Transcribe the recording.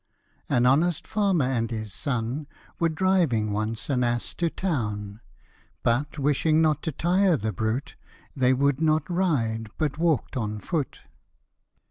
AN honest farmer and his son Were driving once an ass to town ; But, wishing not to tire the brute, They would not ride but walk'd on foot.